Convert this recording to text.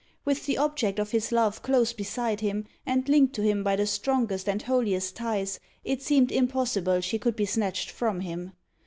With the object of his love close beside him, and linked to him by the strongest and holiest ties, it seemed impossible she could be snatched from him.